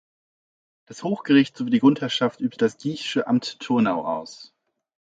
Das Hochgericht sowie die Grundherrschaft übte das Giech’sche Amt Thurnau aus.